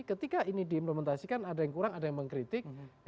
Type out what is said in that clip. ketika ini diimplementasikan ada yang kurang ada yang mengkritik